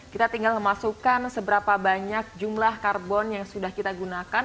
kita tinggal memasukkan seberapa banyak jumlah karbon yang sudah kita gunakan